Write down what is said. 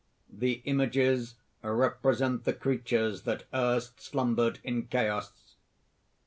The images represent the creatures that erst slumbered in Chaos.